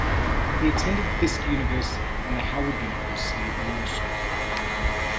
He attended Fisk University and the Howard University Law School.